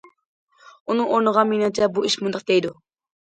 ئۇنىڭ ئورنىغا« مېنىڭچە بۇ ئىش مۇنداق»، دەيدۇ.